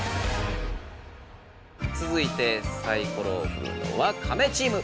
つづいてサイコロをふるのはカメチーム。